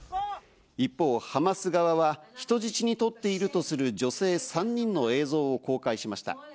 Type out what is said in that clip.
一方、ハマス側は人質にとっているとする女性３人の映像を公開しました。